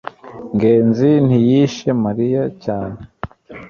ngenzi ntiyishe mariya cyane